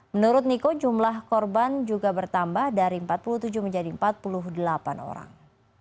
menurut niko jumlah korban juga bertambah dari empat puluh tujuh menjadi empat puluh delapan orang